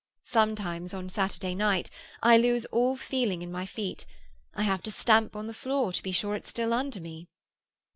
Sometimes, on Saturday night, I lose all feeling in my feet; I have to stamp on the floor to be sure it's still under me."